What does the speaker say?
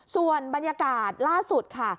ส่วนบรรยากาศล่าสุดค่ะ